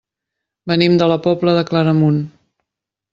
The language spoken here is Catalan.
Venim de la Pobla de Claramunt.